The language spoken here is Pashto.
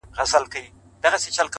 هره ورځ د اغېز نوې صحنه ده!.